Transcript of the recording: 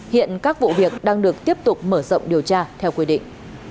hiện các vụ việc đang được tiếp tục mở rộng điều tra theo quy định